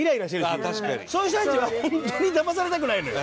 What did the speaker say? そういう人たちはホントにだまされたくないのよ。